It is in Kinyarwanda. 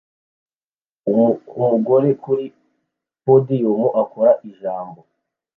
Umugore kuri podium akora ijambo